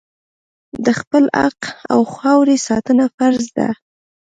د خپل حق او خاورې ساتنه فرض ده.